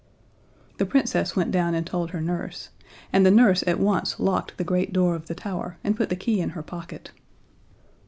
The Princess went down and told her nurse, and the nurse at once locked the great door of the tower and put the key in her pocket.